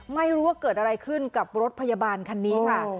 ไม่รู้ว่าเกิดอะไรขึ้นกับรถพยาบาลคันนี้ค่ะ